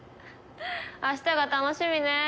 明日が楽しみねえ。